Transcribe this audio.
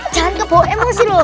jangan keboe masih loh